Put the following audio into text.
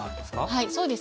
はいそうですね。